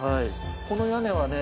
この屋根はね